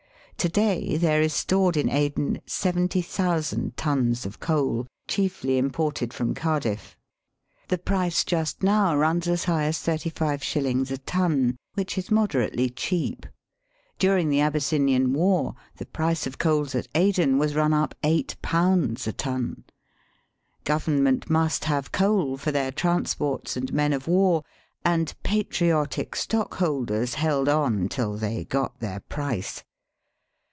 To day there is stored in Aden 70,000 tons of coal, chiefly imported from Cardiff. The price just now runs as high as 35^. a ton, which is moderately cheap. During the Abyssinian war the price of coals at Aden was run up ^8 a ton. Government must have coal for their transports and men of war, and patriotic stock holders held on till they got their price.